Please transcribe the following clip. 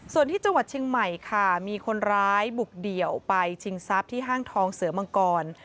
ส่วนที่จังหวัดเชียงใหม่ค่ะมีคนร้ายบุกเดี่ยวไปชิงทรัพย์ที่ห้างทองเสือมังกร